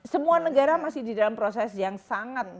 semua negara masih di dalam proses yang sangat